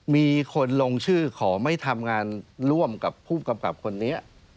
มีคนลงชื่อขอไม่ทำงานร่วมกับผู้กำกับคนนี้